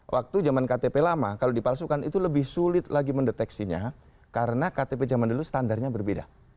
waktu zaman ktp lama kalau dipalsukan itu lebih sulit lagi mendeteksinya karena ktp zaman dulu standarnya berbeda